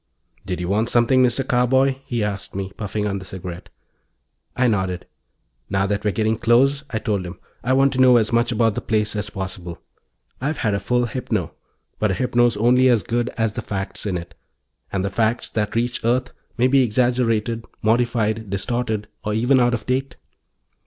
"Did you want something, Mr. Carboy?" he asked me, puffing on the cigarette. I nodded. "Now that we're getting close," I told him, "I want to know as much about the place as possible. I've had a full hypno, but a hypno's only as good as the facts in it, and the facts that reach Earth may be exaggerated, modified, distorted or even out of date."